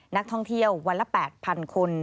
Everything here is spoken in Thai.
นักท่องเที่ยววันละ๘๐๐๐คน